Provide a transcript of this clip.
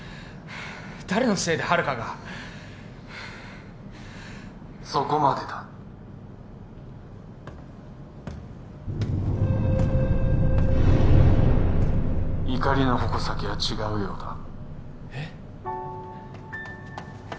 誰のせいで遙がそこまでだ怒りの矛先が違うようだえっ？